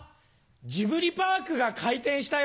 ジブリパークが開店したよ！